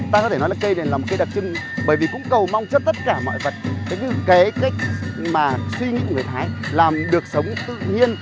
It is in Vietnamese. ta có thể nói là cây này là một cây đặc trưng bởi vì cũng cầu mong cho tất cả mọi vật cũng như cái cách mà suy nghĩ của người thái làm được sống tự nhiên